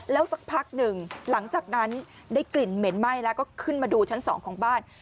แล้วสักพักหนึ่งหลังจากนั้นได้กลิ่นเหม็นไหม้แล้วก็ขึ้นมาดูชั้น๒ของบ้าน